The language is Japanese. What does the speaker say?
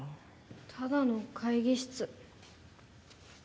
ただの会議室。